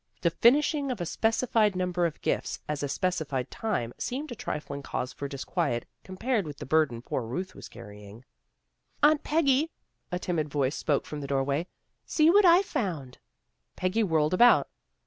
The finishing of a specuied number of gifts at a specified time seemed a trifling cause for disquiet, com pared with the burden poor Ruth was carrying. 9 CHRISTMAS PREPARATIONS 181 " Aunt Peggy! " A timid voice spoke from the doorway. " See what I've found." Peggy whirled about.